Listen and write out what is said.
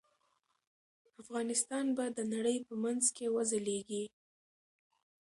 افغانستان به د نړۍ په منځ کې وځليږي.